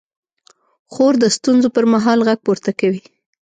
خور د ستونزو پر مهال غږ پورته کوي.